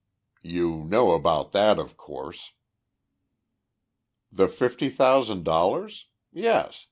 You know about that, of course." "The fifty thousand dollars? Yes.